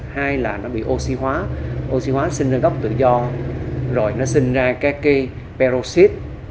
hai là nó bị oxy hóa oxy hóa sinh ra gốc tự do rồi nó sinh ra các cái peroxid